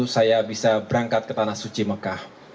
saya bisa berangkat ke tanah suci mekah